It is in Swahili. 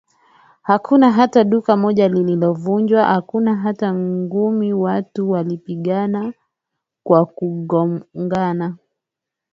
hakuna hata duka moja lililovujwa hakuna hata ngumi watu walipingana kwa kugogana